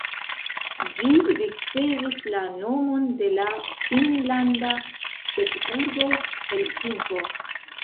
Ĝi ricevis la nomon de la finnlanda ĉefurbo Helsinko.